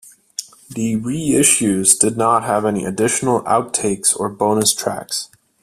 The reissues did not have any additional outtakes or bonus tracks.